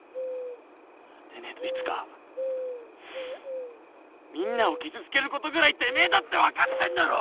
でねえといつかみんなを傷つけることぐらいてめえだって分かってんだろ！？